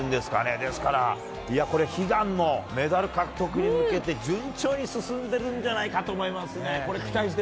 ですから悲願のメダル獲得に向けて順調に進んでるんじゃないかと思いますね。